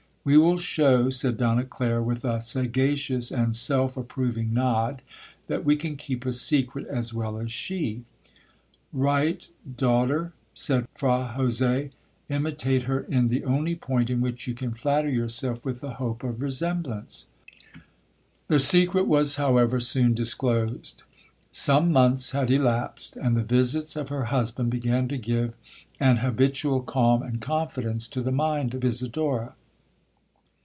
—'We will show,' said Donna Clara, with a sagacious and self approving nod, 'that we can keep a secret as well as she.'—'Right, daughter,' said Fra Jose, 'imitate her in the only point in which you can flatter yourself with the hope of resemblance.' 'The secret was, however, soon disclosed. Some months had elapsed, and the visits of her husband began to give an habitual calm and confidence to the mind of Isidora.